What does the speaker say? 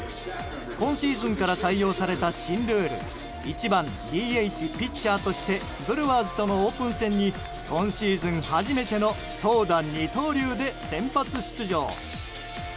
今シーズンから採用された新ルール１番ＤＨピッチャーとしてブルワーズとのオープン戦に今シーズン初めての投打二刀流で先発出場。